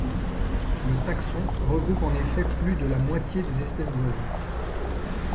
Le taxon regroupe en effet plus de la moitié des espèces d'oiseaux.